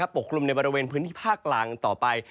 กลุ่มในบริเวณพื้นที่ภาคกลางต่อไป